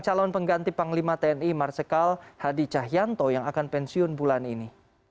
calon pengganti panglima tni marsikal hadi cahyanto yang akan pensiun bulan ini